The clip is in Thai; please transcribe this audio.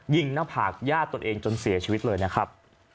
หน้าผากญาติตนเองจนเสียชีวิตเลยนะครับ